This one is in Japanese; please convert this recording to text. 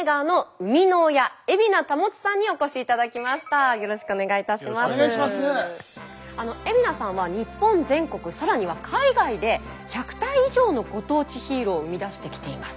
海老名さんは日本全国更には海外で１００体以上のご当地ヒーローを生み出してきています。